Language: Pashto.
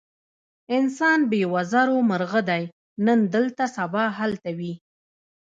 انسان بې وزرو مرغه دی، نن دلته سبا هلته وي.